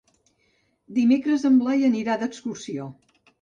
Dimecres en Blai anirà d'excursió.